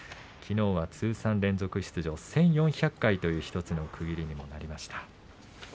きのうは通算連続出場１４００回という１つの区切りにもなりました。